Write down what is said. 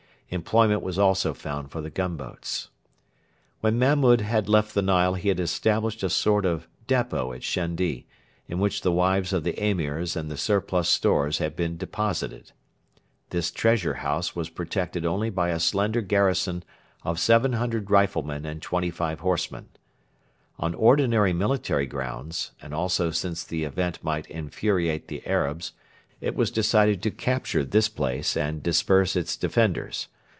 Employment was also found for the gunboats. When Mahmud had left the Nile he had established a sort of depot at Shendi, in which the wives of the Emirs and the surplus stores had been deposited. This treasure house was protected only by a slender garrison of 700 riflemen and twenty five horsemen. On ordinary military grounds, and also since the event might infuriate the Arabs, it was decided to capture this place and disperse its defenders.